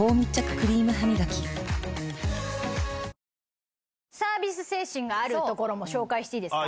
クリームハミガキあるところも紹介していいですか。